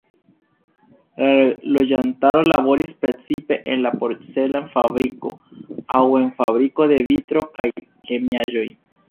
La loĝantaro laboris precipe en la porcelan-fabriko aŭ en fabriko de vitro kaj kemiaĵoj.